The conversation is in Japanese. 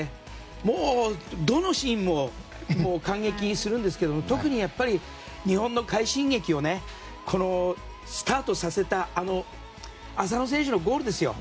もう、どのシーンも感激するんですけど特にやっぱり日本の快進撃をスタートさせたあの浅野選手のゴールですよ。